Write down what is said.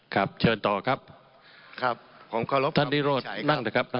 ครับเชิญต่อครับท่านดีโรศนั่งเถอะครับ